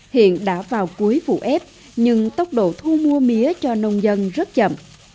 hiện đã vào cuối vụ ép nhưng tốc độ thu mua mía cho nông dân rất chậm